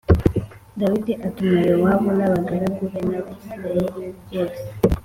Dawidi atuma Yowabu n’abagaragu be n’Abisirayeli bose